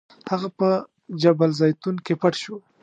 هغه په جبل الزیتون کې پټ شو.